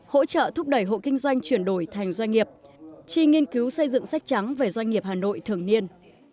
hỗ trợ thúc đẩy hộ kinh doanh chuyển đổi thành doanh nghiệp chi nghiên cứu xây dựng sách trắng về doanh nghiệp hà nội thường niên